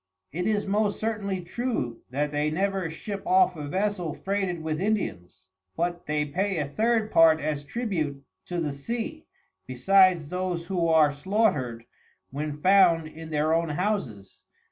It is most certainly true, that they never ship off a Vessel freighted with Indians, but they pay a third part as Tribute to the Sea, besides those who are slaughter'd, when found in their own Houses.